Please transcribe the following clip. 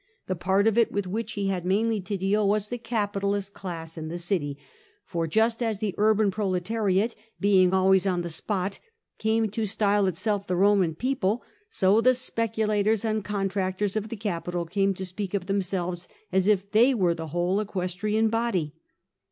The part of it with which he had mainly to deal was the capitalist class in the city, for just as the urban proletariate, being always on the spot, came to style itself the Roman people, so the speculators and contractors of the capital came to speak of themselves as if they were the whole equestrian body.